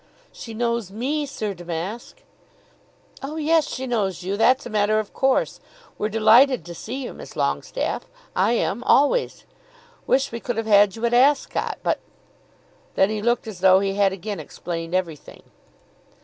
] "She knows me, Sir Damask." "Oh yes; she knows you. That's a matter of course. We're delighted to see you, Miss Longestaffe I am, always. Wish we could have had you at Ascot. But ." Then he looked as though he had again explained everything.